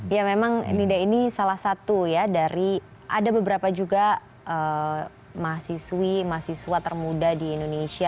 ya memang nida ini salah satu ya dari ada beberapa juga mahasiswi mahasiswa termuda di indonesia